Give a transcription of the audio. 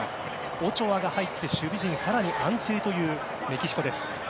オチョアが入って守備陣かなり安定というメキシコです。